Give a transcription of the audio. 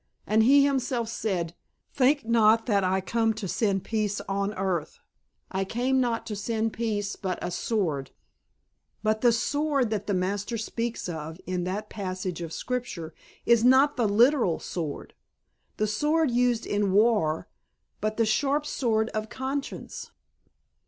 And He Himself said 'Think not that I come to send peace on earth; I came not to send peace, but a sword.'" "But the 'sword' that the Master speaks of in that passage of Scripture is not the literal sword, the sword used in war, but the sharp sword of conscience.